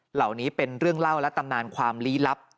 เหล่านี้เป็นเรื่องเล่าและตำนานความลี้ลับ